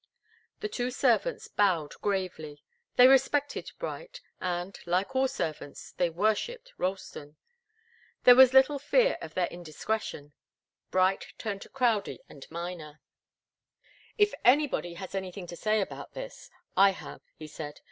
The two servants bowed gravely. They respected Bright, and, like all servants, they worshiped Ralston. There was little fear of their indiscretion. Bright turned to Crowdie and Miner. "If anybody has anything to say about this, I have," he said.